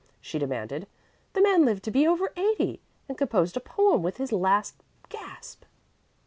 she demanded. "The man lived to be over eighty, and composed a poem with his last gasp."